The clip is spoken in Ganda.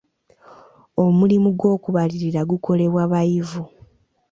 Omulimu gw'okubalirira gukolebwa bayivu.